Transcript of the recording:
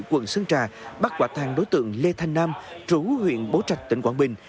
quận sơn trà bắt quả thang đối tượng lê thanh nam trú huyện bố trạch tỉnh quảng bình